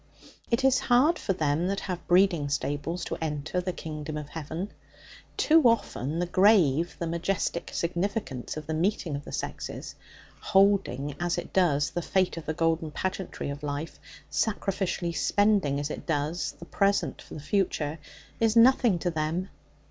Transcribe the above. It is hard for them that have breeding stables to enter the kingdom of heaven. Too often the grave, the majestic significance of the meeting of the sexes holding as it does the fate of the golden pageantry of life, sacrificially spending as it does the present for the future is nothing to them.